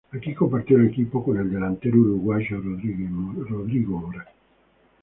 Aquí compartió el equipo con el delantero uruguayo Rodrigo Mora.